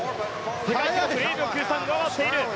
世界記録０秒９３上回っています。